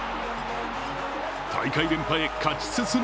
大会連覇へ勝ち進む